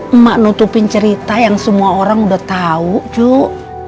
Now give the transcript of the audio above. emak nutupin cerita yang semua orang udah tau cuu